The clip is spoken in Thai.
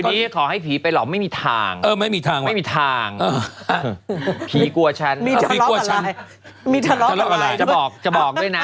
คือดิขอให้ผีไปหรอกไม่มีทางไม่มีทางผีกลัวฉันมีทะเลาะกันอะไร